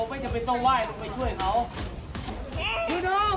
มันก็ไปนิดมีน้ำหลักแม่มโยนนะครับ